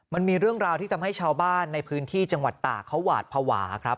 มันมีเรื่องราวที่ทำให้ชาวบ้านในพื้นที่จังหวัดตากเขาหวาดภาวะครับ